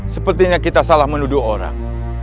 sepertinya kita salah menuduh orang